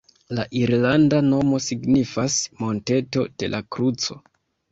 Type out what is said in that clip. La irlanda nomo signifas “monteto de la kruco”.